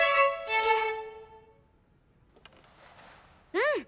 うん！